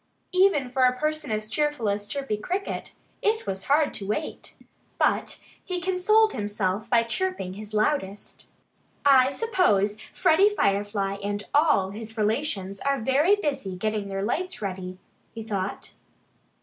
Even for a person as cheerful as Chirpy Cricket, it was hard to wait. But he consoled himself by chirping his loudest. "I suppose Freddie Firefly and all his relations are very busy getting their lights ready," he thought.